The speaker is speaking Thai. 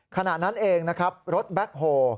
ขณะนั้นเองนะครับรถแบ็คโฮ